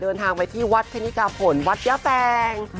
เดินทางไปที่วัดคณิกาผลวัดยะแฟง